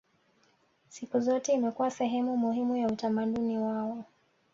Siku zote imekuwa sehemu muhimu ya utamaduni wao